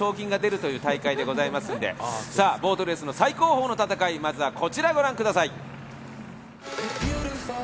ボートレースの最後方の戦い、まずはこちらを御覧ください。